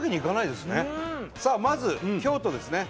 さあまず京都ですね。